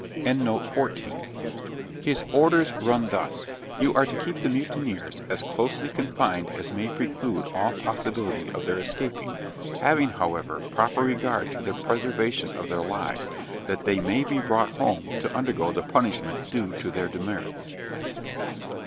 His orders run thus: 'You are to keep the mutineers as closely confined as may preclude all possibility of their escaping, having, however, proper regard to the preservation of their lives, that they may be brought home, to undergo the punishment due to their demerits.'